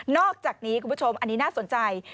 อกจากนี้คุณผู้ชมอันนี้น่าสนใจ